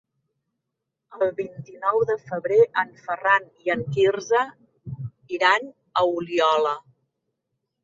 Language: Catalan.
El vint-i-nou de febrer en Ferran i en Quirze iran a Oliola.